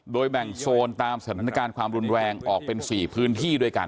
โดยแบ่งโซนตามสถานการณ์ความรุนแรงออกเป็น๔พื้นที่ด้วยกัน